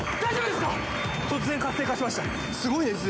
すごい熱です。